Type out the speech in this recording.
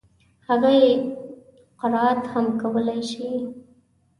هغه يې قرائت هم کولای شي.